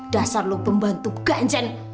dasar lu pembantu ganjen